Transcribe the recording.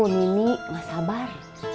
nini mah sabar